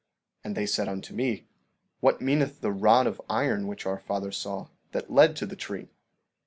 15:23 And they said unto me: What meaneth the rod of iron which our father saw, that led to the tree?